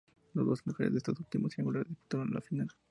Los dos mejores de estos últimos triangulares disputaron la final.